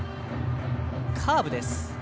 カーブです。